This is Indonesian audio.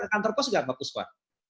di kantor pos enggak pak puspa